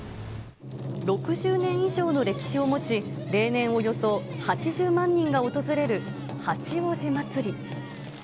６０年以上の歴史を持ち、例年およそ８０万人が訪れる八王子まつり。